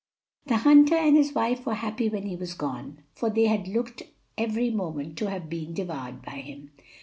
The hunter and his wife were happy when he was gone, for they had looked every moment to have been devoured by him.